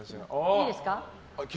いいですか。